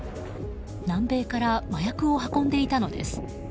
南米から麻薬を運んでいたのです。